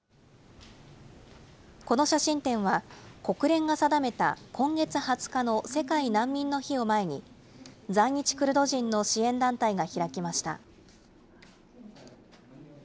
この写真展は、国連が定めた今月２０日の世界難民の日を前に、在日クルド人の支援団体が開きました。